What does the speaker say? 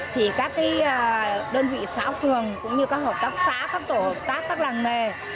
thông qua hội trợ này các đơn vị xã ốc thường cũng như các hợp tác xã các tổ hợp tác các làng nghề